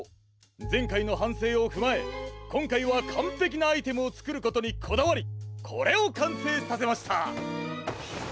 ぜんかいのはんせいをふまえこんかいはかんぺきなアイテムをつくることにこだわりこれをかんせいさせました。